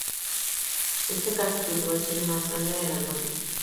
Este capítulo es el más grande de la norma.